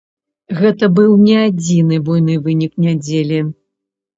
Гэта быў не адзіны буйны вынік нядзелі.